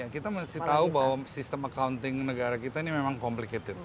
kita mesti tahu bahwa sistem accounting negara kita ini memang complicated